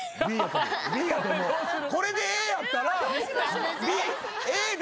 これでＡやったら。